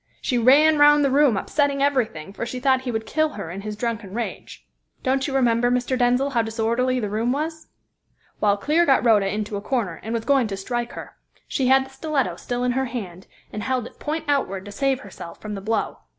She ran round the room, upsetting everything, for she thought he would kill her in his drunken rage. Don't you remember, Mr. Denzil, how disorderly the room was? Well, Clear got Rhoda into a corner, and was going to strike her; she had the stiletto still in her hand, and held it point outward to save herself from the blow.